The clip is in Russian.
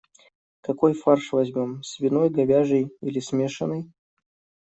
Какой фарш возьмём - свиной, говяжий или смешанный?